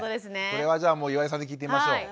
これはじゃあ岩井さんに聞いてみましょう。